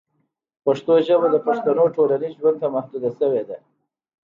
پښتو ژبه د پښتنو ټولنیز ژوند ته محدوده شوې ده.